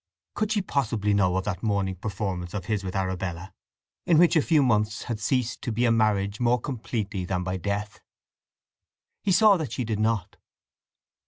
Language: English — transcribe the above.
Could she possibly know of that morning performance of his with Arabella; which in a few months had ceased to be a marriage more completely than by death? He saw that she did not.